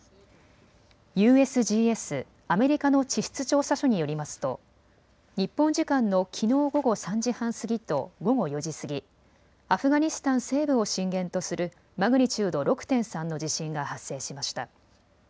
ＵＳＧＳ・アメリカの地質調査所によりますと日本時間のきのう午後３時半過ぎと午後４時過ぎ、アフガニスタン西部を震源とするマグニチュード６．３の地震が発生しました。